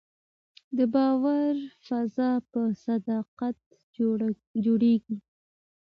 د باور فضا په صداقت جوړېږي